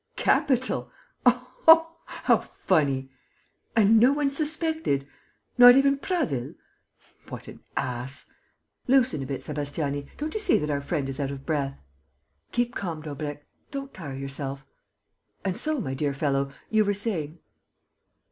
Capital!... Oh, how funny!... And no one suspected?... Not even Prasville?... What an ass!... Loosen a bit, Sébastiani: don't you see that our friend is out of breath?... Keep calm, Daubrecq ... don't tire yourself.... And so, my dear fellow, you were saying...."